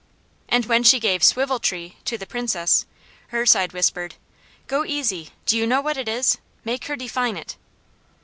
And when she gave "swivel tree" to the Princess, her side whispered, "Go easy! Do you know what it is? Make her define it."